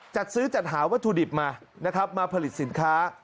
จัดซื้อจัดหาวัตถุดิบมานะครับมาผลิตสินค้า